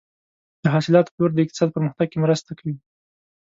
د حاصلاتو پلور د اقتصاد پرمختګ کې مرسته کوي.